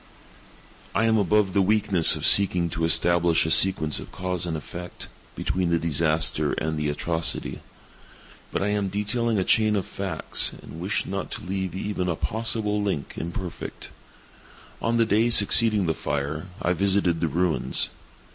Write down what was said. I am above the weakness of seeking to establish a sequence of cause and effect, between the disaster and the atrocity. But I am detailing a chain of facts—and wish not to leave even a possible link imperfect. On the day succeeding the fire, I visited the ruins.